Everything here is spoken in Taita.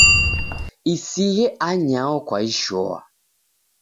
Isighe anyao kwaishoa